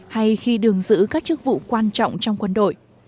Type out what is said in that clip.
hay khi đường giữ các chức vụ quan trọng trong quân đội